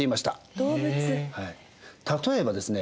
例えばですね